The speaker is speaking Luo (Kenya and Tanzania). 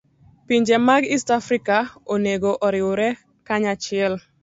Pinje mag East Africa onego oriwre kanyachiel.